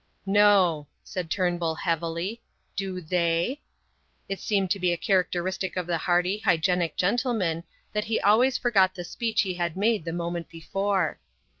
"No," said Turnbull, heavily. "Do they?" It seemed to be a characteristic of the hearty, hygienic gentleman that he always forgot the speech he had made the moment before.